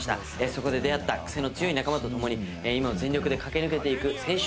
そこで出会ったクセの強い仲間と共に今を全力で駆け抜けていく青春エンターテインメントです。